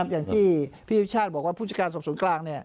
อย่างที่พี่พิชาติบอกว่าภูมิการศัพท์ศูนย์กลาง